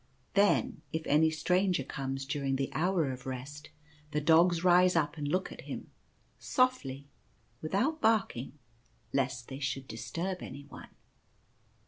Then if any stranger comes during the hour of Rest, the dogs rise up and look at him, softly, without barking, lest they should disturb anyone.